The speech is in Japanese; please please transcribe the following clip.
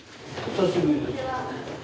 久しぶり。